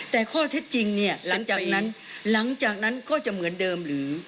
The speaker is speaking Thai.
แต่ข้อเท็จจริงเนี่ยหลังจากนั้นก็จะเหมือนเดิมหรือ